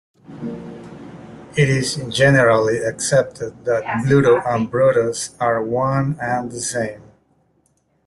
It is generally accepted that Bluto and Brutus are one and the same.